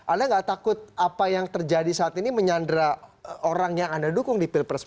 anda nggak takut apa yang terjadi saat ini menyandra orang yang anda dukung di pilpres dua ribu